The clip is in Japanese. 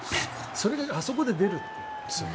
それがあそこで出るっていう。